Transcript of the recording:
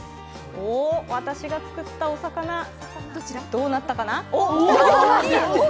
お、私の作ったお魚、どうなったか？